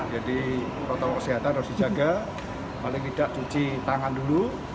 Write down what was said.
jadi protokol kesehatan harus dijaga paling tidak cuci tangan dulu